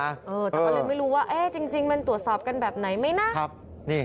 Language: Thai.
แต่ก็เลยไม่รู้ว่าจริงมันตรวจสอบกันแบบไหนไหมนะ